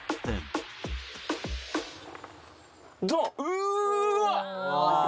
うわっ！